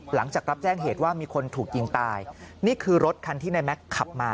หลังจากรับแจ้งเหตุว่ามีคนถูกยิงตายนี่คือรถคันที่นายแม็กซ์ขับมา